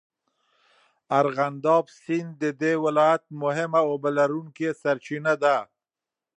ارغنداب سیند د دې ولایت مهمه اوبهلرونکې سرچینه ده.